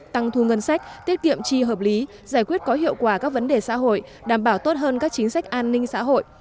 tăng thu ngân sách tiết kiệm chi hợp lý giải quyết có hiệu quả các vấn đề xã hội đảm bảo tốt hơn các chính sách an ninh xã hội